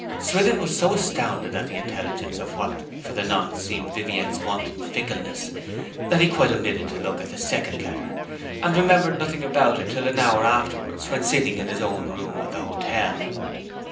Swithin was so astounded at the intelligence of what for the nonce seemed Viviette's wanton fickleness that he quite omitted to look at the second letter; and remembered nothing about it till an hour afterwards, when sitting in his own room at the hotel.